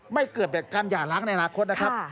เกิดจากการหย่าล้างในอนาคตนะครับ